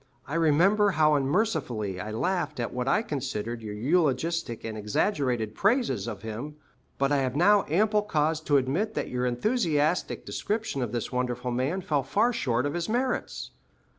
I remember how unmercifully I laughed at what I considered your eulogistic and exaggerated praises of him; but I have now ample cause to admit that your enthusiastic description of this wonderful man fell far short of his merits.